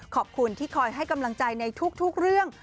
ขอบคุณที่คอยให้กำลังใจในทุกเรื่อง